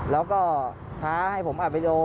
แล้วก็ท้าให้ผมอัดวิดีโอ